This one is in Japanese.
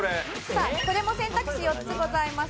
さあこれも選択肢４つございます。